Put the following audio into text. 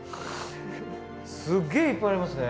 すげえいっぱいありますね。